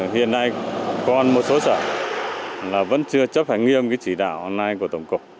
hiện nay còn một số sở là vẫn chưa chấp hành nghiêm cái chỉ đạo online của tổng cục